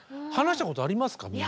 話したことありますか？